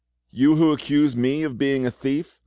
You who accused me of being a thief!